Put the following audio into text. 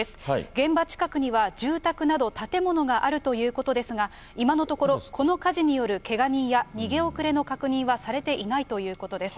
現場近くには住宅など建物があるということですが、今のところ、この火事によるけが人や逃げ遅れの確認はされていないということです。